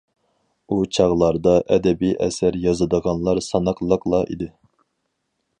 ئۇ چاغلاردا ئەدەبىي ئەسەر يازىدىغانلار ساناقلىقلا ئىدى.